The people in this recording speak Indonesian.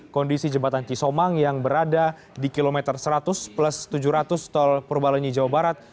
kondisi jembatan cisomang yang berada di kilometer seratus plus tujuh ratus tol purbalenyi jawa barat